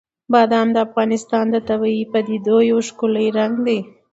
بادام د افغانستان د طبیعي پدیدو یو ښکلی رنګ دی.